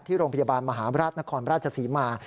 โรงพยาบาลมหาราชนครราชศรีมา